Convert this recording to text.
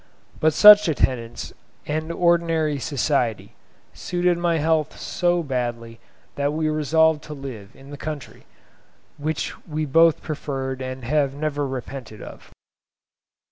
But such attendance, and ordinary society, suited my health so badly that we resolved to live in the country, which we both preferred and have never repented of.